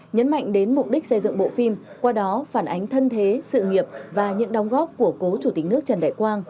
nhấn mạnh đến mục đích xây dựng bộ phim qua đó phản ánh thân thế sự nghiệp và những đóng góp của cố chủ tịch nước trần đại quang